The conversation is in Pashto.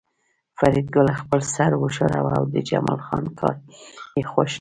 فریدګل خپل سر وښوراوه او د جمال خان کار یې خوښ نکړ